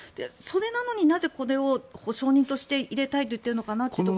それなのになぜ、これを保証人として入れたいと言っているのかなって。